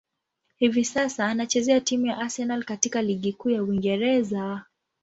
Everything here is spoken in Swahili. Hivi sasa, anachezea timu ya Arsenal katika ligi kuu ya Uingereza.